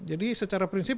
jadi secara prinsip